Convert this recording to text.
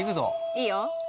いいよ。